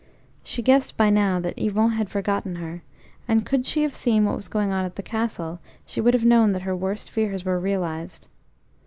She guessed by now that Yvon had forgotten her, and could she have seen what was going on at the castle, she would have known that her worst fears were realised.